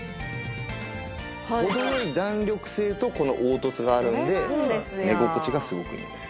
程良い弾力性とこの凹凸があるので寝心地がすごくいいんです。